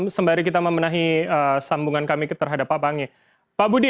sembari kita memenahi sambungan kami terhadap pak pangi